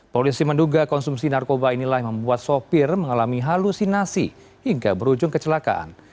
polisi menduga konsumsi narkoba inilah yang membuat sopir mengalami halusinasi hingga berujung kecelakaan